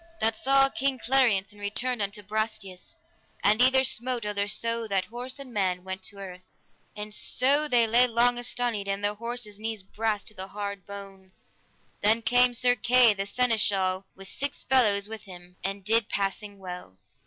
That saw King Clariance and returned unto Brastias, and either smote other so that horse and man went to the earth, and so they lay long astonied, and their horses' knees brast to the hard bone. Then came Sir Kay the seneschal with six fellows with him, and did passing well.